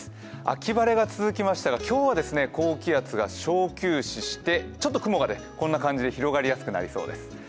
秋晴れが続きましたが今日は高気圧が小休止してちょっと雲がこんな感じで広がりやすくなりそうです。